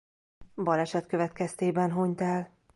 Baleset következtében hunyt el.